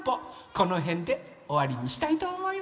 このへんでおわりにしたいとおもいます。